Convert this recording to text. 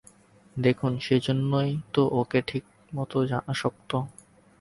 দেখুন, সেইজন্যেই তো ওঁকে ঠিকমত জানা শক্ত।